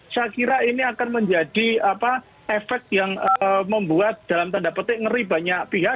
saya kira ini akan menjadi efek yang membuat dalam tanda petik ngeri banyak pihak